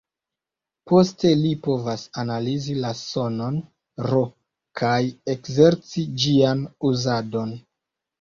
Poste li povas analizi la sonon "r", kaj ekzerci ĝian uzadon.